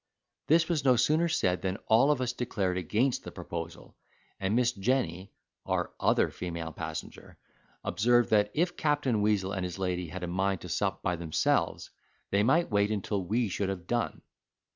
This was no sooner said than all of us declared against the proposal, and Miss Jenny (our other female passenger), observed that, if Captain Weazel and his lady had a mind to sup by themselves, they might wait until we should have done.